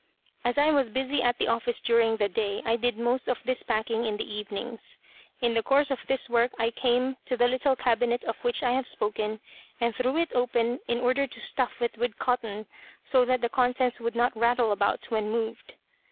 As I was busy at the office during the day, I did the most of this packing in the evenings. In the course of this work I came to the little cabinet of which I have spoken, and threw it open in order to stuff it with cotton, so that the contents would not rattle about when moved."